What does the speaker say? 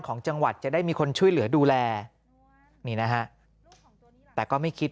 ของจังหวัดจะได้มีคนช่วยเหลือดูแลนี่นะฮะแต่ก็ไม่คิด